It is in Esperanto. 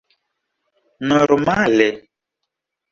normale